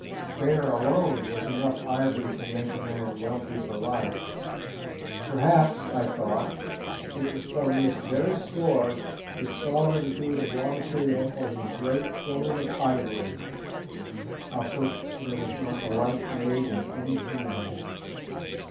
There, alone, was enough ivory to make a man wealthy for life. Perhaps, I thought, it was from this very store that Solomon drew the raw material for his "great throne of ivory," of which "there was not the like made in any kingdom."